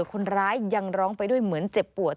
คนร้ายยังร้องไปด้วยเหมือนเจ็บปวด